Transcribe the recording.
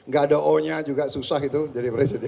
gak ada o nya juga susah itu jadi presiden